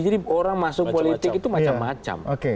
jadi orang masuk politik itu macam macam